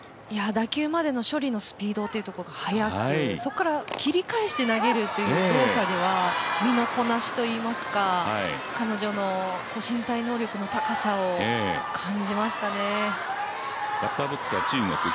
打球までの処理のスピードが速く、そこから切り返して投げるという動作では身のこなしといいますか彼女の身体能力の高さを感じましたね。